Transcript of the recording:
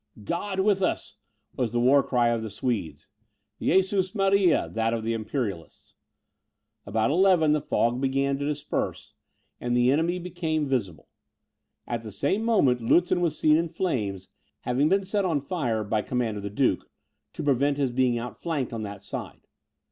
"God with us!" was the war cry of the Swedes; "Jesus Maria!" that of the Imperialists. About eleven the fog began to disperse, and the enemy became visible. At the same moment Lutzen was seen in flames, having been set on fire by command of the duke, to prevent his being outflanked on that side.